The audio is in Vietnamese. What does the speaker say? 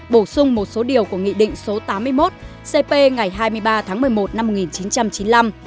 bổ sung một số điều của nghị định số tám mươi một cp ngày hai mươi ba tháng một mươi một năm một nghìn chín trăm chín mươi năm